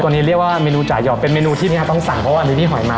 นี้เรียกว่าเมนูจ่ายอกเป็นเมนูที่เนี่ยต้องสั่งเพราะว่าอันนี้พี่หอยมา